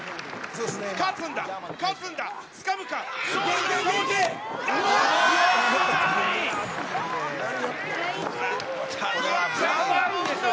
勝つんだ、勝つんだ、つかむか勝利の。